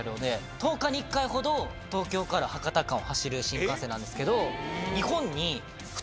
１０日に１回ほど東京から博多間を走る新幹線なんですけど。